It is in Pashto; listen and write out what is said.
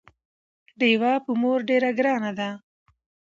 ډيوه په مور ډېره ګرانه ده